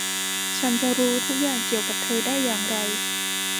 ฉันจะรู้ทุกอย่างเกี่ยวกับเธอได้อย่างไร ?